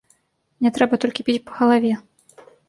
Не трэба толькі біць па галаве.